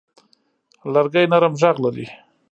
لرګی نرم غږ لري.